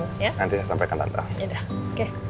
nanti saya sampaikan tante